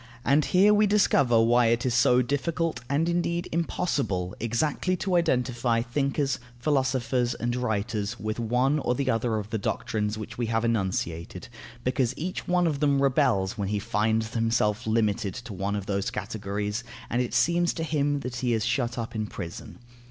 And here we discover why it is so difficult, and indeed impossible, exactly to identify thinkers, philosophers, and writers with one or the other of the doctrines which we have enunciated, because each one of them rebels when he finds himself limited to one of those categories, and it seems to him that he is shut up in prison.